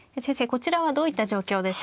こちらはどういった状況でしょうか。